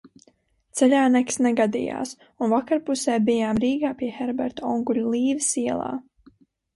Ceļā nekas negadījās un vakarpusē bijām Rīgā pie Herberta onkuļa Līves ielā.